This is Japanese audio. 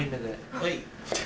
はい。